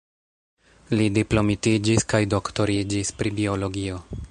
Li diplomitiĝis kaj doktoriĝis pri biologio.